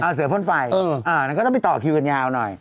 อ่ะเสือพ่นไฟอ่ะต้องไปต่อคิวกันยาวหน่อย